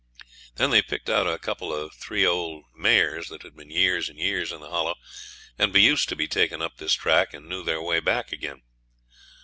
Then they picked out a couple or three old mares that had been years and years in the Hollow, and been used to be taken up this track and knew their way back again.